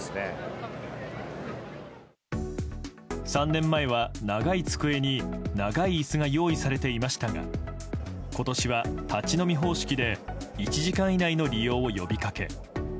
３年前は長い机に長い椅子が用意されていましたが今年は立ち飲み方式で１時間以内の利用を呼びかけ